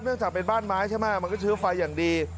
จากเป็นบ้านไม้ใช่ไหมมันก็เชื้อไฟอย่างดี